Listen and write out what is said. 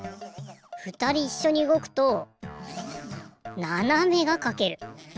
ふたりいっしょにうごくとななめがかける。